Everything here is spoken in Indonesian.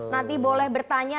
nanti boleh bertanya